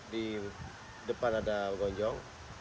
di depan ada gonjong